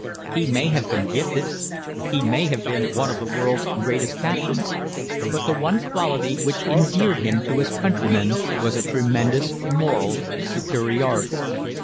He may have been gifted, he may have been one of the world's greatest captains, but the one quality which endeared him to his countrymen was a tremendous moral superiority.